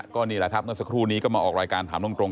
ก็นี่แหละครับเมื่อสักครู่นี้ก็มาออกรายการถามตรง